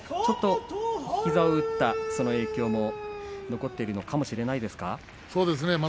膝を打った影響は残っているのかもしれませんね。